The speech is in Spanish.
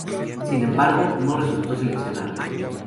Sin embargo, no resultó seleccionada.